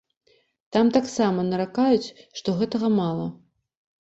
Там таксама наракаюць, што гэтага мала.